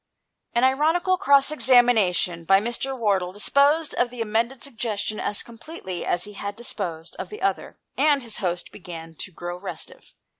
An ironical cross examination by Mr. Wardle disposed of the amended suggestion as completely as he had disposed of the other, and his host began to grow restive.